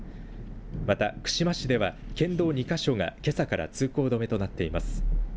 また串間市では県道２か所がけさから通行止めとなっています。